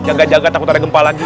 jaga jaga takut ada gempa lagi